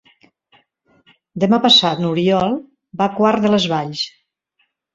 Demà passat n'Oriol va a Quart de les Valls.